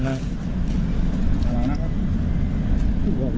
หยุดก่อน